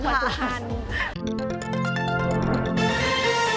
โปรดติดตามตอนต่อไป